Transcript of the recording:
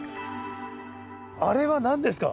あれは何ですか？